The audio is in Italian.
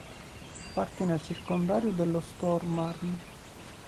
Appartiene al circondario dello Stormarn.